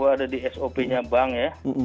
ada di sopnya bank ya